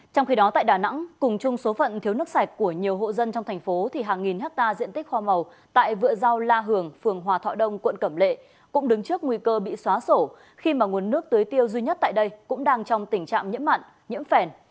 trong khi đó tại đà nẵng cùng chung số phận thiếu nước sạch của nhiều hộ dân trong thành phố thì hàng nghìn hectare diện tích hoa màu tại vựa rau la hường phường hòa thọ đông quận cẩm lệ cũng đứng trước nguy cơ bị xóa sổ khi mà nguồn nước tưới tiêu duy nhất tại đây cũng đang trong tình trạng nhiễm mặn nhiễm phèn